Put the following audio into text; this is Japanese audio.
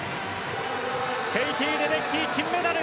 ケイティ・レデッキー金メダル。